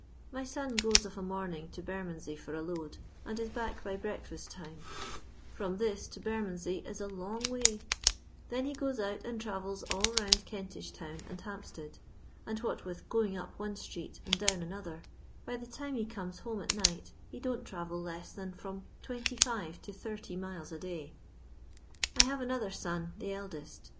My son goes of a moning to Bermondsey for a load, and is back by ~ fast time; from this to Bermondsey is a long way — then he goes out and travels all round Kentish town and Hampstead, and what with going up one street and down another, by the time he comes home at night, he don't travd less than from 25 to 80 miles a day. I haye another son, the eldest.